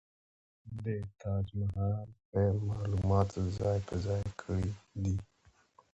د تاج محل په يې معلومات ځاى په ځاى کړي دي.